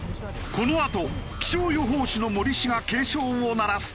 このあと気象予報士の森氏が警鐘を鳴らす。